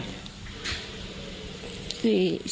สี่หมื่น